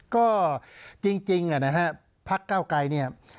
ก็จริงนะฮะพักเก้าไกรเนี่ย